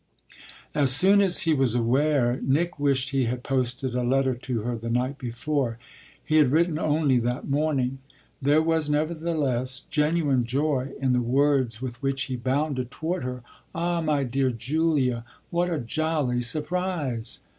As soon as he was aware Nick wished he had posted a letter to her the night before. He had written only that morning. There was nevertheless genuine joy in the words with which he bounded toward her "Ah my dear Julia, what a jolly surprise!"